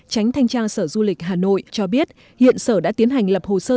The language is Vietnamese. tránh thanh tra sở du lịch hà nội cho biết hiện sở đã tiến hành lập hồ sơ